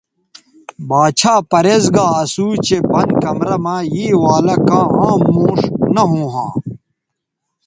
باڇھا پریز گا اسو چہء بند کمرہ مہ یے والہ کاں عام موݜ نہ ھوں ھاں